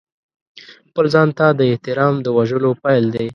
خپل ځان ته د احترام د وژلو پیل دی.